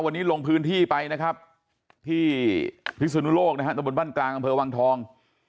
วันนี้ลงพื้นที่ไปนะครับที่ภิกษณุโลกบ้านกลางกำเภอวังทอง